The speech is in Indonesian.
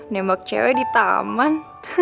nembak cewek di taman